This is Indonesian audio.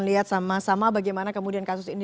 lihat sama sama bagaimana kemudian kasus ini